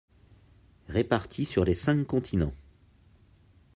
Répartis sur les cinq continents.